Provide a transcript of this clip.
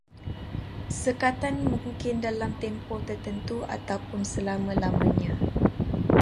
Sekatan mungkin dalam tempoh tertentu ataupun selama-lamanya